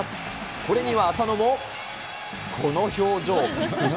これには浅野もこの表情。